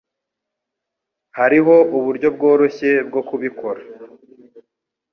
Hariho uburyo bworoshye bwo kubikora.